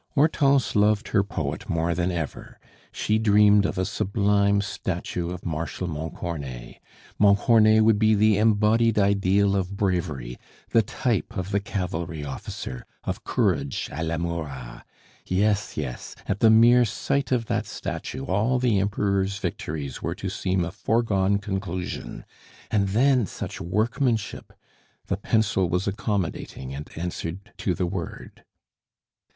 Hortense loved her poet more than ever; she dreamed of a sublime statue of Marshal Montcornet. Montcornet would be the embodied ideal of bravery, the type of the cavalry officer, of courage a la Murat. Yes, yes; at the mere sight of that statue all the Emperor's victories were to seem a foregone conclusion. And then such workmanship! The pencil was accommodating and answered to the word.